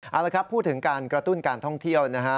เอาละครับพูดถึงการกระตุ้นการท่องเที่ยวนะฮะ